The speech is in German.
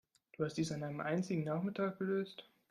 Du hast dies an einem einzigen Nachmittag gelöst?